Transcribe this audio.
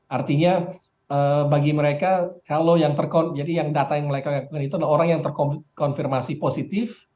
artinya bagi mereka data yang mereka gunakan itu adalah orang yang terkonfirmasi positif